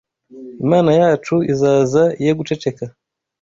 Imana yacu izaza ye guceceka: